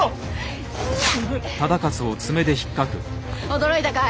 驚いたかい？